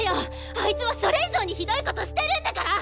あいつはそれ以上にひどいことしてるんだから！